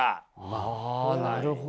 あなるほど。